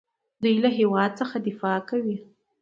دوی له هیواد څخه دفاع کوي.